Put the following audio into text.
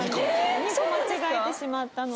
２個間違えてしまったので。